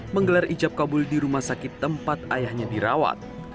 menggelar ijab kabul di rumah sakit tempat ayahnya dirawat